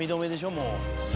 もう」